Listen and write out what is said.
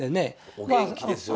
お元気ですよね。